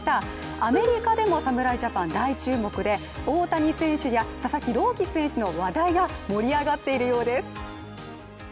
アメリカでも侍ジャパン大注目で、大谷選手や佐々木朗希選手の話題が盛り上がっているようです。